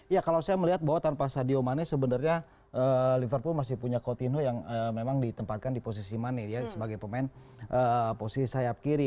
ya kalau saya melihat bahwa tanpa sadio mane sebenarnya liverpool masih punya coutinho yang memang ditempatkan di posisi mane sebagai pemain posisi sayap kiri